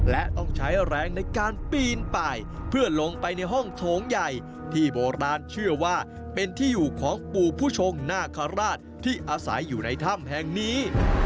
และต้องใช้แรงในการปีนไปเพื่อลงไปในห้องโถงใหญ่ที่โบราณเชื่อว่าเป็นที่อยู่ของปู่ผู้ชงนาคาราชที่อาศัยอยู่ในถ้ำแห่งนี้